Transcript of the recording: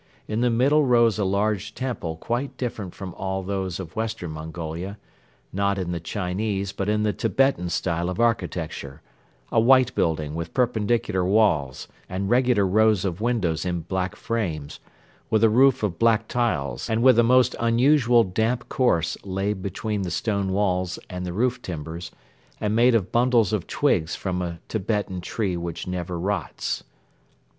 In the middle rose a large temple quite different from all those of western Mongolia, not in the Chinese but in the Tibetan style of architecture, a white building with perpendicular walls and regular rows of windows in black frames, with a roof of black tiles and with a most unusual damp course laid between the stone walls and the roof timbers and made of bundles of twigs from a Tibetan tree which never rots.